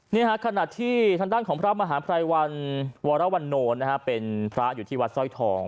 นี้คะขณะที่ทางด้านของพระมหาภรรยวรรณโหนต์เป็นพระอยู่ที่แวดซ้อยทอง